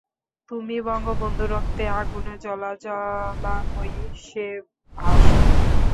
তুমি বঙ্গবন্ধুর রক্তে আগুনে জ্বলা জ্বালাময়ী সে ভাষন।